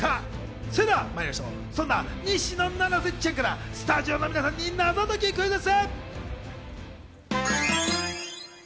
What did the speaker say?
それではまいりましょう、西野七瀬ちゃんからスタジオの皆さんに謎解きクイズッス！